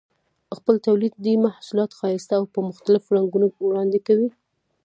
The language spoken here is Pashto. خپل تولیدي محصولات ښایسته او په مختلفو رنګونو وړاندې کوي.